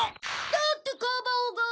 だってカバオが。